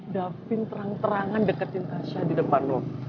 davin terang terangan deketin tasha di depan lo